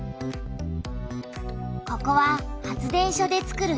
ここは発電所でつくる